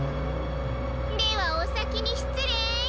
ではおさきにしつれい。